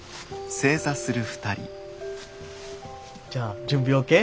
じゃあ準備ＯＫ？